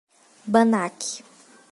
Bannach